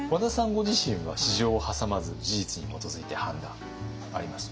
ご自身は私情をはさまず事実に基づいて判断あります？